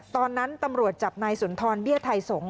ตอนนั้นตำรวจจับนายสุนทรเบี้ยไทยสงฆ